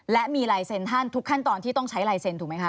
และมีลายเซ็นต์ท่านทุกขั้นตอนที่ต้องใช้ลายเซ็นถูกไหมคะ